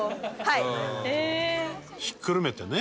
ひっくるめてね。